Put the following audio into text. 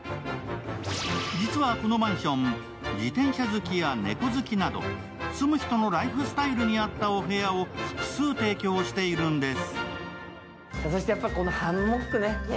実はこのマンション、自転車好きや猫好きなど、住む人のライフスタイルに合ったお部屋を複数提供しているんです。